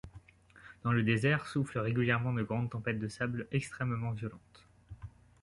Dans le désert, soufflent régulièrement de grandes tempêtes de sable extrêmement violentes.